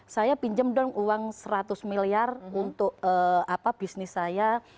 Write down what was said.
saya pinjam dong uang seratus miliar untuk bisnis saya